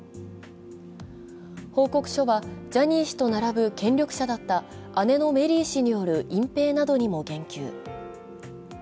報告書はジャニー氏と並ぶ権力者だった姉のメリー氏による隠蔽などにも言及。